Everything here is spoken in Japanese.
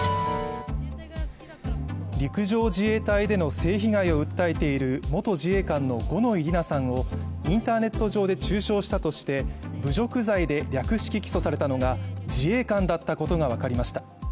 陸上自衛隊での性被害を訴えている元自衛官の五ノ井里奈さんをインターネット上で中傷したとして侮辱罪で略式起訴されたのが自衛官だったことが分かりました。